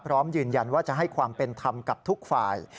พร้อมยืนยันว่าจะให้ความเป็นธรรมกับทุกฝ่าย